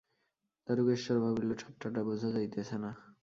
দারুকেশ্বর ভাবিল, ঠাট্টাটা বোঝা যাইতেছে না।